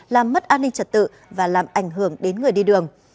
làm mất an ninh trật tự và làm ảnh hưởng đến người đi đường